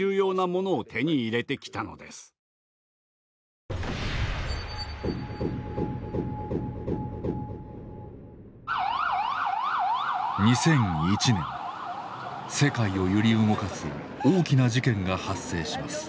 世界を揺り動かす大きな事件が発生します。